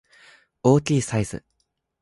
大きいサイズ